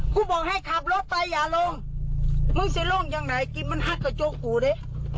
กูบอกให้ขับรถไปอย่าลงมึงจะลงอย่างไหนกินมันหักกระจกกูดิ